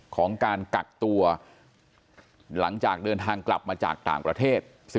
ของการกักตัวหลังจากเดินทางกลับมาจากต่างประเทศ